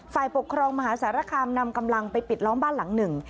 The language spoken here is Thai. ฝ่ายปกครองมหาสารคามนำกำลังไปปิดล้อมบ้านหลังหนึ่ง